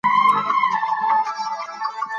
او پۀ ږيره کښې يې ګوتې راښکلې